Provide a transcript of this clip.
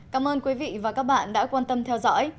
cảm ơn quý vị và các bạn đã quan tâm theo dõi